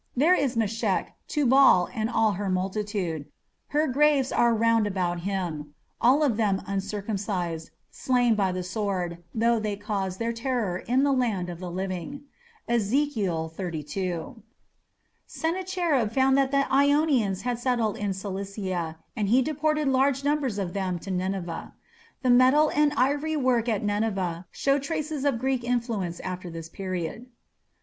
There is Meshech, Tubal, and all her multitude: her graves are round about him: all of them uncircumcised, slain by the sword, though they caused their terror in the land of the living.... (Ezekiel, xxxii.) Sennacherib found that Ionians had settled in Cilicia, and he deported large numbers of them to Nineveh. The metal and ivory work at Nineveh show traces of Greek influence after this period.